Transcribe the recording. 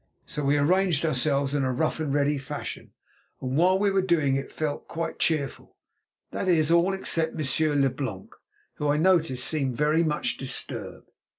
So we arranged ourselves in a rough and ready fashion, and while we were doing it felt quite cheerful—that is, all except Monsieur Leblanc, who, I noticed, seemed very much disturbed.